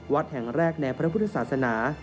แห่งแรกในพระพุทธศาสนา